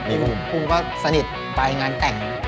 มีอุ่มก็สนิทไปงานแต่ง